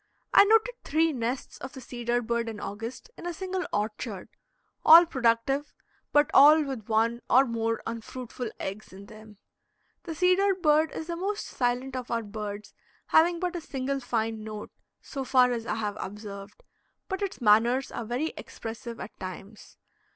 I noted three nests of the cedar bird in August in a single orchard, all productive, but all with one or more unfruitful eggs in them. The cedar bird is the most silent of our birds having but a single fine note, so far as I have observed, but its manners are very expressive at times.